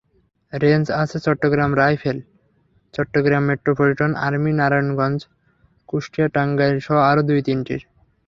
Range আছে Chittagong rifle, Chittagong metropolitan, army, Narayanganj, Kushtia, টাঙ্গাইলসহ আরও দুই-তিনটির।